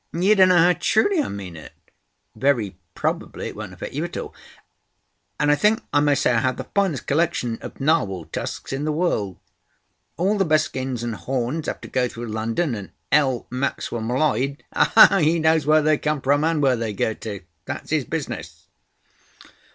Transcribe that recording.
You don't know how truly I mean it. Very probably—it won't affect you at all. And—I think I may say I have the finest collection of narwhal tusks in the world. All the best skins and horns have to go through London, and L. Maxwell M'Leod, he knows where they come from, and where they go to. That's his business."